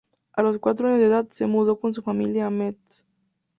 A los cuatro años de edad, se mudó con su familia a Metz.